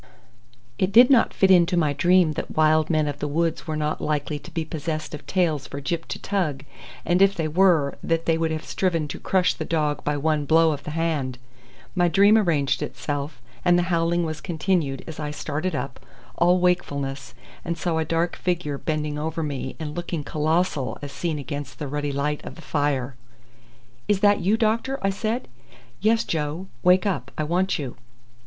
It did not fit into my dream that wild men of the woods were not likely to be possessed of tails for Gyp to tug, and if they were, that they would have striven to crush the dog by one blow of the hand; my dream arranged itself, and the howling was continued as I started up, all wakefulness, and saw a dark figure bending over me and looking colossal as seen against the ruddy light of the fire. "Is that you, doctor?" I said. "Yes, Joe; wake up. I want you."